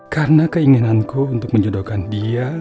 karena keinginanku untuk menjodohkan dia